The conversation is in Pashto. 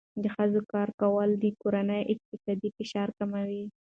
د ښځو کار کول د کورنۍ اقتصادي فشار کموي.